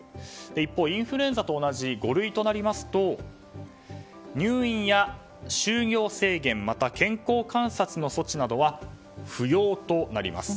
一方、インフルエンザと同じ五類となりますと入院や収容制限また健康観察の措置などは不要となります。